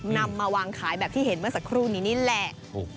นำมาวางขายแบบที่เห็นเมื่อสักครู่นี้นี่แหละ